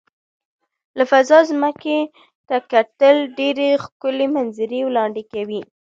له فضا ځمکې ته کتل ډېر ښکلي منظره وړاندې کوي.